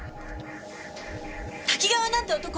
多岐川なんて男